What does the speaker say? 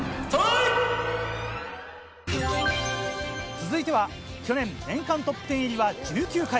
・続いては去年年間トップ１０入りは１９回。